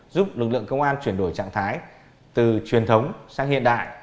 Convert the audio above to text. giúp lực lượng công an chuyển đổi trạng thái từ truyền thống sang hiện đại